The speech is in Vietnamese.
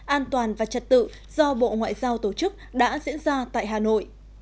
an toàn và trật tự do bộ ngoại giao tổ chức đã diễn ra tại hà nội